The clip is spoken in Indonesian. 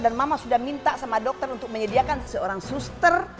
dan mama sudah minta sama dokter untuk menyediakan seorang suster